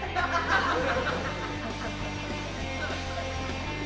udah mau keluar